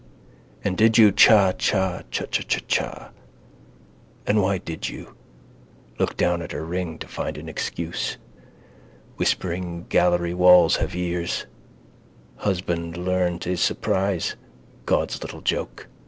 And did you chachachachacha? And why did you? Look down at her ring to find an excuse. Whispering gallery walls have ears. Husband learn to his surprise. God's little joke.